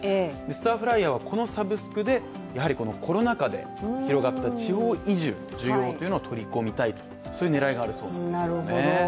スターフライヤーはこのサブスクでコロナ禍で広がった地方移住需要を取り込みたいとそういう狙いがあるようなんですよね。